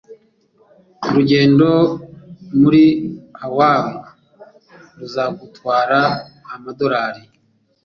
Urugendo muri Hawaii ruzagutwara amadorari